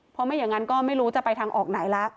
เพราะไม่อย่างนั้นก็ไม่รู้จะไปทางออกไหนละ